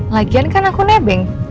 lagian kan aku nebeng